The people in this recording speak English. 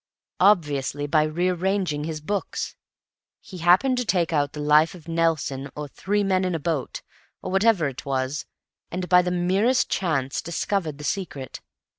"Obviously by re arranging his books. He happened to take out 'The Life of Nelson' or 'Three Men in a Boat,' or whatever it was, and by the merest chance discovered the secret.